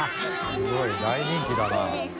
すごい大人気だな。